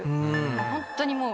ホントにもう。